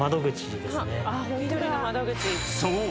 ［そう。